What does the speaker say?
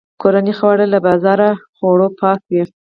کورني خواړه له بازاري خوړو پاک وي.